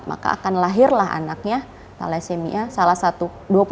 maka akan lahirlah anaknya thalassemia salah satu